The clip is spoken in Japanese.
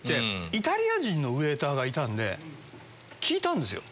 イタリア人のウエーターがいたんで聞いたんですよ。